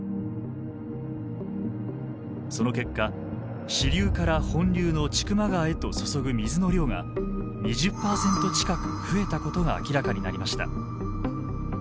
その結果支流から本流の千曲川へと注ぐ水の量が２０％近く増えたことが明らかになりました。